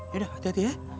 yaudah hati hati ya